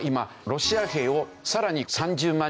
ロシア兵をさらに３０万